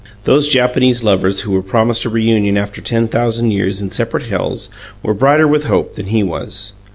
Those Japanese lovers who were promised a reunion after ten thousand years in separate hells were brighter with hope than he was.